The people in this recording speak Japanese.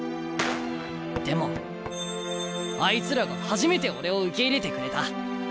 でもあいつらが初めて俺を受け入れてくれた。